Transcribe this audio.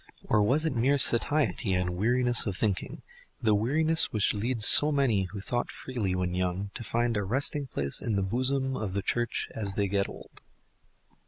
Or was it mere satiety and weariness of thinking—the weariness which leads so many who thought freely when young to find a resting place in the bosom of the Church as they get old?